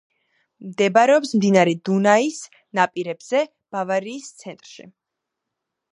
მდებარეობს მდინარე დუნაის ნაპირებზე, ბავარიის ცენტრში.